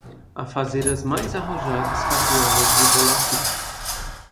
a fazer as mais arrojadas cabriolas de volatim